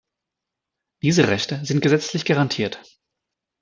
Diese Rechte sind gesetzlich garantiert.